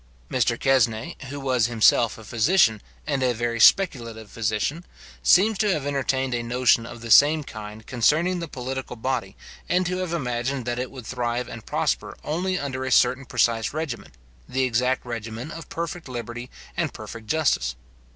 Mr Quesnai, who was himself a physician, and a very speculative physician, seems to have entertained a notion of the same kind concerning the political body, and to have imagined that it would thrive and prosper only under a certain precise regimen, the exact regimen of perfect liberty and perfect justice.